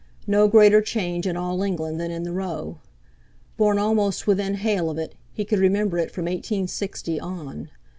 No greater change in all England than in the Row! Born almost within hail of it, he could remember it from 1860 on.